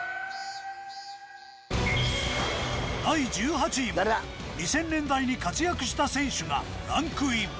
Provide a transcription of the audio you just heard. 第１８位も２０００年代に活躍した選手がランクイン。